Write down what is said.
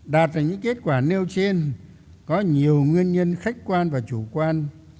đạt được những kết quả nêu trên có nhiều nguyên nhân khách quan và chủ quan